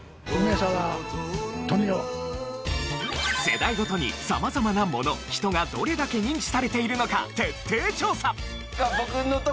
世代ごとに様々なもの人がどれだけ認知されているのか徹底調査。